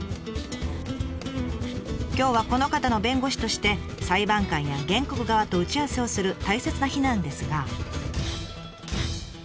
今日はこの方の弁護士として裁判官や原告側と打ち合わせをする大切な日なんですが。